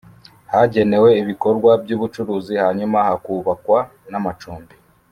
Hagenewe ibikorwa by’ubucuruzi hanyuma hakubakwa n’ amacumbi